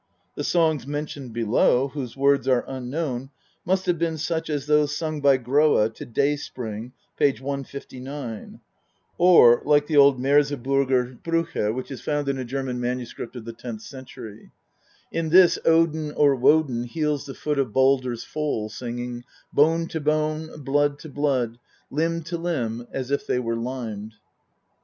The songs mentioned below, whose words are unknown, must have been such as those sung by Groa to Day spring (p. 159), or like the old Merseburger xxxn THE POETIC EDDA. Spruche, which is found in a German MS. of the tenth century. In this Odin or Wodan heals the foot of Baldr's foal, singing : Bone to bone, blood to blood, limb to limb as if they were limed.